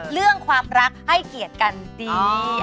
เรื่องความรักให้เกียรติกันดี